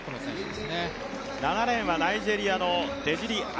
７レーンはナイジェリアの選手。